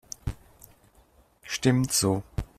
Stimmt so.